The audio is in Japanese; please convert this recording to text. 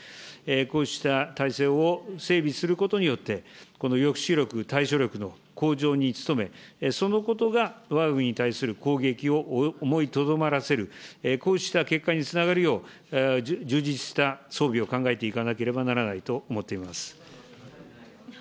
こうした体制を整備することによって、この抑止力、対処力の向上に努め、そのことがわが国に対する攻撃を思いとどまらせる、こうした結果につながるよう、充実した装備を考えていかなければならないと考えております。